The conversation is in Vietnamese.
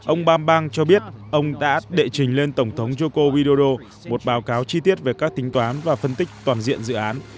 ông bam bang cho biết ông đã đệ trình lên tổng thống joko widodo một báo cáo chi tiết về các tính toán và phân tích toàn diện dự án